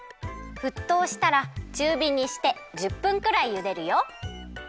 ふっとうしたらちゅうびにして１０分くらいゆでるよ。